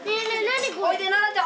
おいでななちゃん。